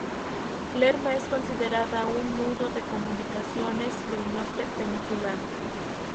Lerma es considerada un nudo de comunicaciones del norte peninsular.